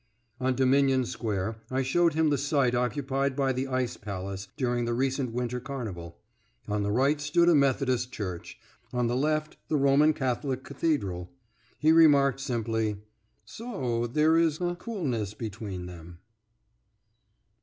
On Dominion Square I showed him the site occupied by the Ice Palace during the recent Winter Carnival; on the right stood a Methodist Church, on the left the Roman Catholic Cathedral. He remarked simply: "So there's a coolness between them!"